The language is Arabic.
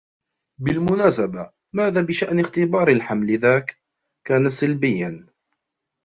بالمناسبة، ماذا بشأن اختبار الحمل ذلك؟ "كان سلبيّا."